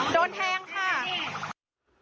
โดนแทงค่ะ